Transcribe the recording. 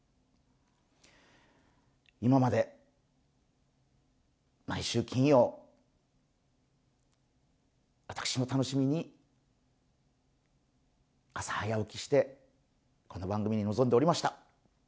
今まで、毎週金曜私も楽しみに朝、早起きしてこの番組に臨んでおりました。